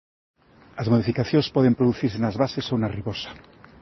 As modificacións poden producirse nas bases ou na ribosa.